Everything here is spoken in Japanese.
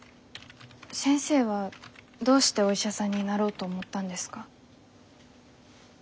先生はどうしてお医者さんになろうと思ったんですか？